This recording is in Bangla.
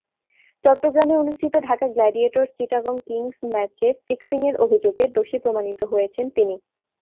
চট্টগ্রামে অনুষ্ঠিত ঢাকা গ্ল্যাডিয়েটরস-চিটাগং কিংস ম্যাচে ফিক্সিংয়ের অভিযোগে দোষী প্রমাণিত হয়েছেন তিনি।